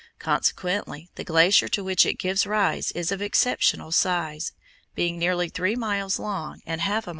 Consequently the glacier to which it gives rise is of exceptional size, being nearly three miles long and half a mile wide.